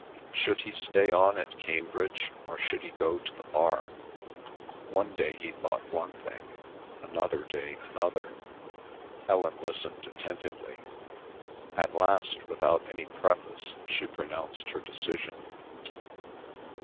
Should he stay on at Cambridge or should he go to the Bar? One day he thought one thing, another day another. Helen listened attentively. At last, without any preface, she pronounced her decision.